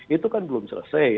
itu kan belum selesai